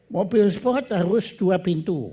mobil sport harus dua pintu